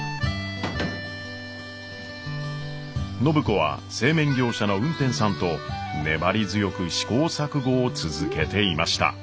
暢子は製麺業者の運天さんと粘り強く試行錯誤を続けていました。